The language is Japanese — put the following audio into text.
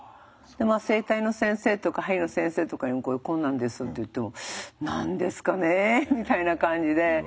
整体の先生とかはりの先生とかにもこうなんですって言っても「何ですかね？」みたいな感じで。